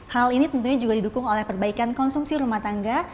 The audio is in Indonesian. hal ini tentunya juga didukung oleh perbaikan konsumsi rumah tangga